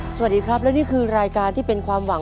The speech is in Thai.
สวัสดีครับและนี่คือรายการที่เป็นความหวัง